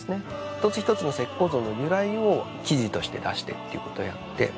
一つ一つの石膏像の由来を記事として出してっていうことをやって。